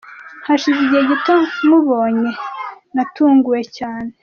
Hashize igihe gito nywubonye, natunguwe cyane.